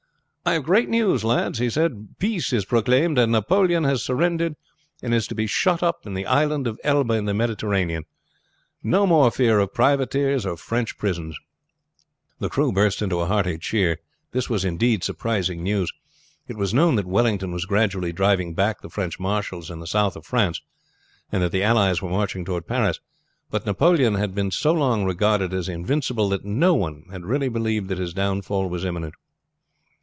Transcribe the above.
"I have great news, lads," he said. "Peace is proclaimed, and Napoleon has surrendered, and is to be shut up in the Isle of Elba in the Mediterranean. No more fear of privateers or French prisons." The crew burst into a hearty cheer. This was indeed surprising news. It was known that Wellington was gradually driving back the French marshals in the south of France, and that the allies were marching toward Paris. But Napoleon had been so long regarded as invincible, that no one had really believed that his downfall was imminent.